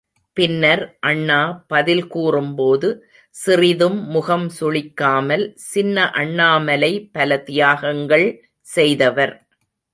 பின்னர் அண்ணா பதில் கூறும்போது சிறிதும் முகம் சுளிக்காமல், சின்ன அண்ணாமலை பல தியாகங்கள் செய்தவர்.